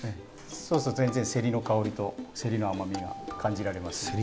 そうすると全然せりの香りとせりの甘みが感じられます。